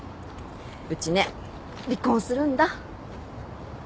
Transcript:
うちね離婚するんだ。